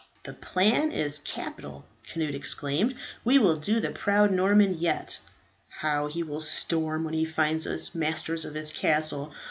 "The plan is capital," Cnut exclaimed. "We will do the proud Norman yet. How he will storm when he finds us masters of his castle.